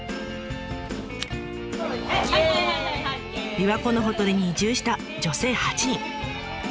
琵琶湖のほとりに移住した女性８人。